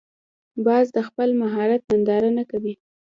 باز د خپل مهارت ننداره نه کوي